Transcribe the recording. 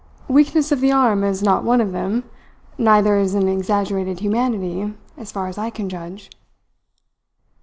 "Weakness of the arm is not one of them; neither is an exaggerated humanity, as far as I can judge."